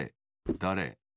だれ。